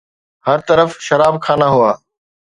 هر طرف شراب خانا هئا.